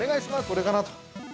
◆これかなと。